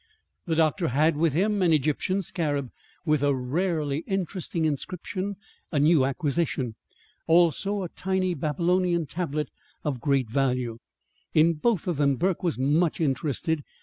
The doctor had with him an Egyptian scarab with a rarely interesting inscription, a new acquisition; also a tiny Babylonian tablet of great value. In both of them Burke was much interested.